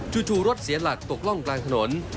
จู่รถเสียหลักตกร่องกลางถนน